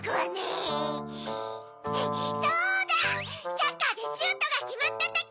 サッカーでシュートがきまったとき！